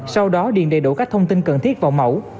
sau đó điền đầy đủ các thông tin cần thiết vào mẫu